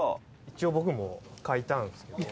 一応僕も描いたんですけど。